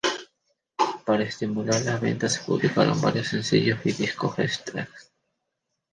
Para estimular las ventas se publicaron varios sencillos y discos extra.